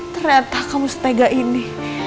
ternyata kamu setega ini